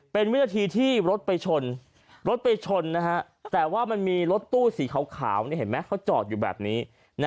เป็นวินาทีที่รถไปชนรถไปชนแต่ว่ามันมีรถตู้สีขาวเห็นไหมเขาจอดอยู่แบบนี้